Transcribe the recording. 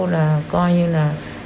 là coi như là